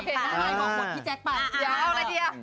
พี่แจ๊กไป